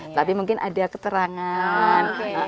tapi mungkin ada keterangan